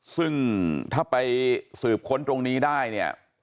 ซึ่งถ้าไปสืบค้นตรงนี้ได้เนี่ย